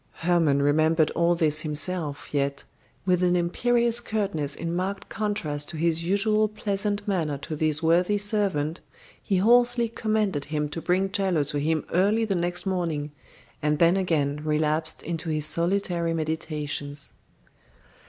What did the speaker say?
Hermon remembered all this himself, yet, with an imperious curtness in marked contrast to his usual pleasant manner to this worthy servant, he hoarsely commanded him to bring Chello to him early the next morning, and then again relapsed into his solitary meditations.